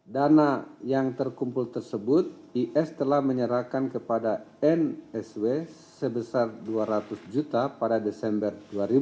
dana yang terkumpul tersebut is telah menyerahkan kepada nsw sebesar dua ratus juta pada desember dua ribu dua puluh